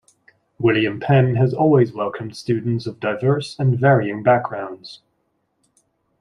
William Penn has always welcomed students of diverse and varying backgrounds.